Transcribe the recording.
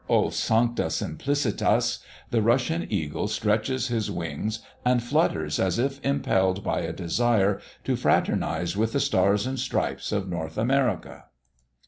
O sancta Simplicitas! the Russian eagle stretches his wings, and flutters as if impelled by a desire to fraternise with the stars and stripes of North America!